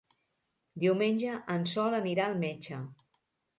Diumenge en Sol anirà al metge.